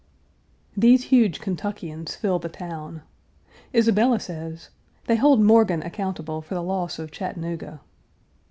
1 These huge Kentuckians fill the town. Isabella says, "They hold Morgan accountable for the loss of Chattanooga."